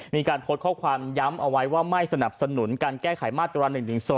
มีการโพสต์ข้อความย้ำเอาไว้ว่าไม่สนับสนุนการแก้ไขมาตรา๑๑๒